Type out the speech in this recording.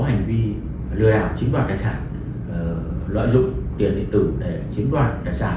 có hành vi lừa đảo chính đoàn tài sản lợi dụng tiền điện tử để chiến đoàn tài sản